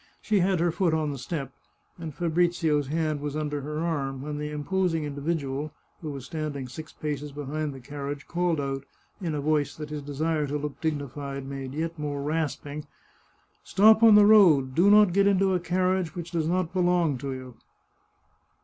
She had her foot on the step, and Fabrizio's hand was under her arm, when the imposing individual, who was standing six paces behind the carriage, called out, in a voice that his desire to look dignified made yet more rasping :" Stop on the road! Do not get into a carriage which does not belong to you